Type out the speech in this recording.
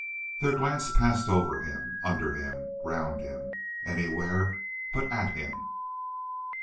Their glance passed over him, under him, round him, anywhere but at him.